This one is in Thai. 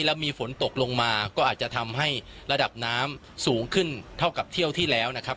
แล้วมีฝนตกลงมาก็อาจจะทำให้ระดับน้ำสูงขึ้นเท่ากับเที่ยวที่แล้วนะครับ